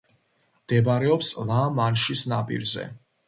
მდებარეობს ლა-მანშის ნაპირზე.